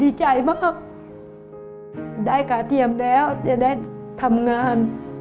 ดีใจมากได้ขาเทียมแล้วจะได้ทำงาน